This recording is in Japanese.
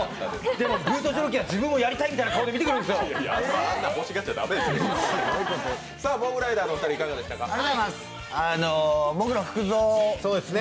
ブートジョロキア自分もやりたいみたいな感じで見てくるんですよ。